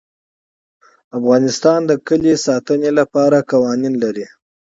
افغانستان د کلي د ساتنې لپاره قوانین لري.